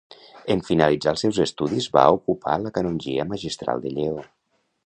En finalitzar els seus estudis, va ocupar la canongia magistral de Lleó.